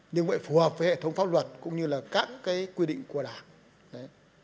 nhưng phải phù hợp với hệ thống pháp luật cũng như là các cái quy định của đảng